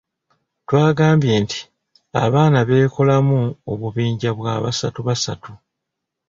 Twagambye nti abaana beekolamu obubinja bwa basatu basatu.